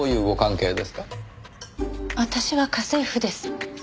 私は家政婦です。